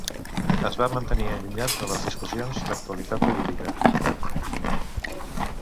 Es va mantenir allunyat de les discussions d'actualitat política.